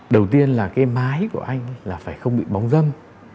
đầu tiên là cái mái của anh là phải không bị bóng dâm